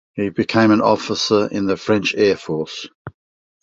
He became an officer in the French Air Force.